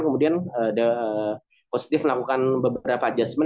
kemudian ada positif melakukan beberapa adjustment